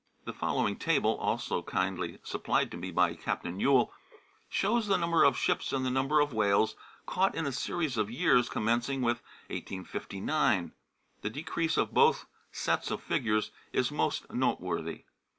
The followine o table (also kindly supplied to me by Captain Yule) shows the number of ships and the number of whales caught in a series of years commencing with 1859. The decrease of both sets of figures is most note worthy.